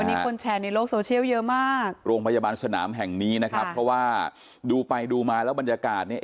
อันนี้คนแชร์ในโลกโซเชียลเยอะมากโรงพยาบาลสนามแห่งนี้นะครับเพราะว่าดูไปดูมาแล้วบรรยากาศเนี่ย